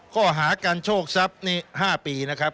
ก็หาการโชคทรัพย์นี้ห้าปีนะครับ